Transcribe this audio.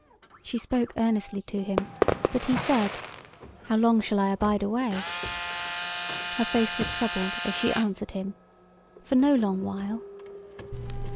She spoke earnestly to him; but he said: "How long shall I abide away?" Her face was troubled as she answered him: "For no long while."